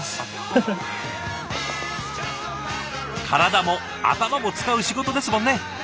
体も頭も使う仕事ですもんね。